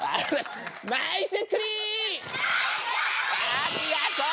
ありがとう！